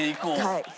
はい。